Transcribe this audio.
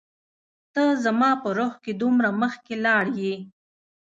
ته زما په روح کي دومره مخکي لاړ يي